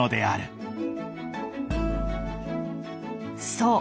そう。